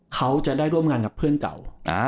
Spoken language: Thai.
เขาจะได้ร่วมงานกับเพื่อนเก่า